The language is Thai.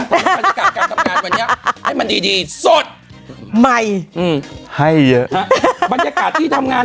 บรรยากาศการทำงานวันนี้ให้มันดีดีสดใหม่ให้เยอะฮะบรรยากาศที่ทำงาน